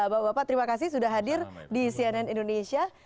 bapak bapak terima kasih sudah hadir di cnn indonesia